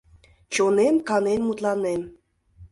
Чонем канен мутланем.